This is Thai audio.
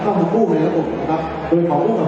ว่ามันไม่มีส่วนความดีอย่างไม่แกน่าหมายถึงทำหมายถึงว่า